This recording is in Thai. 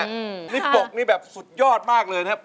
นี่ปกนี่แบบสุดยอดมากเลยนะครับ